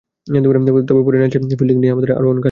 তবে পরের ম্যাচে ফিল্ডিং নিয়ে আমাদের আরও অনেক কাজ করতে হবে।